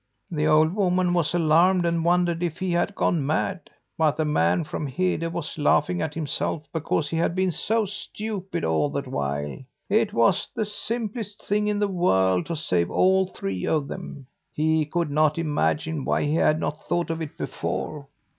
"The old woman was alarmed and wondered if he had gone mad, but the man from Hede was laughing at himself because he had been so stupid all the while. It was the simplest thing in the world to save all three of them. He could not imagine why he had not thought of it before.